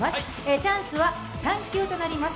チャンスは３球となります。